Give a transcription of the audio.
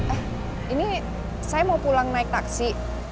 eh ini saya mau pulang naik taksi